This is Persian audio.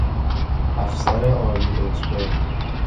افسر عالیرتبه